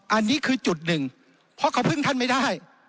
อันนี้คือจุดหนึ่งเพราะเขาพึ่งท่านไม่ได้